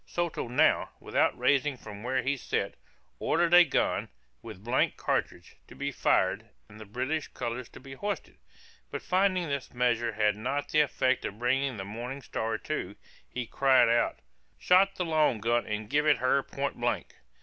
Soto now, without rising from where he sat, ordered a gun, with blank cartridge, to be fired, and the British colors to be hoisted: but finding this measure had not the effect of bringing the Morning Star to, he cried out, "Shot the long gun and give it her point blank."